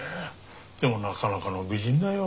でもなかなかの美人だよ。